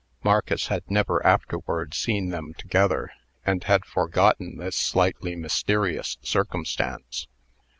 Marcus had never afterward seen them together, and had forgotten this slightly mysterious circumstance.